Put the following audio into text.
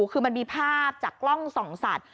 คือมันมีภาพจากกล้องส่องสัตว